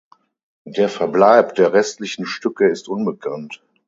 Der Verbleib der restlichen Stücke ist unbekannt.